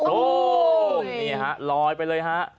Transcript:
โอ้นี่ฮะลอยไปเลยฮะ